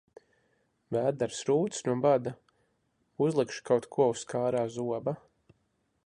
Vēders rūc no bada, uzlikšu kaut ko uz kārā zoba.